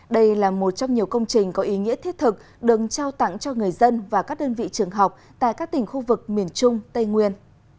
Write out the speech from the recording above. đây là một trong nhiều công trình có ý nghĩa thiết thực được trao tặng cho người dân và các đơn vị trường học tại các tỉnh khu vực miền trung tây nguyên